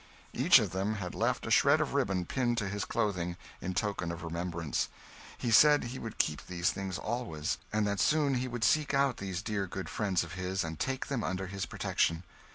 Each of them had left a shred of ribbon pinned to his clothing, in token of remembrance. He said he would keep these things always; and that soon he would seek out these dear good friends of his and take them under his protection.